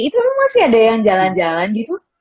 itu memang masih ada yang jalan jalan gitu